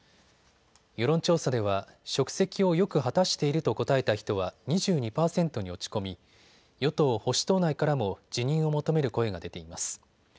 世論調査では職責をよく果たしていると答えた人は２２％に落ち込み与党保守党内からも辞任を求める声が出ています。